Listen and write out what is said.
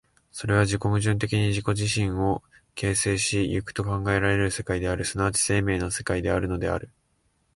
それは自己矛盾的に自己自身を形成し行くと考えられる世界である、即ち生命の世界であるのである。